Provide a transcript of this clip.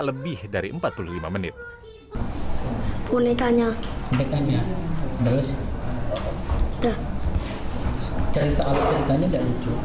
pengen nantarlah kuda